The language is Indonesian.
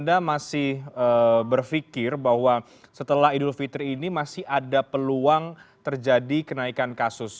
anda masih berpikir bahwa setelah idul fitri ini masih ada peluang terjadi kenaikan kasus